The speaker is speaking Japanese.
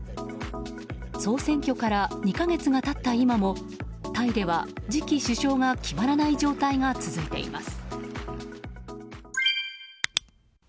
総選挙から２か月が経った今もタイでは、次期首相が決まらない状態が続いています。